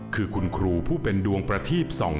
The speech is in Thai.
คือคุณครูผู้เป็นดวงประทีบ